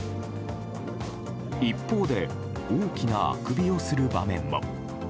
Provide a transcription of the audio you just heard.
一方で、大きなあくびをする場面も。